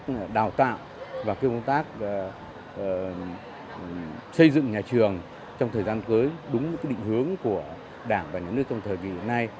công tác đào tạo và công tác xây dựng nhà trường trong thời gian tới đúng định hướng của đảng và nhà nước trong thời gian nay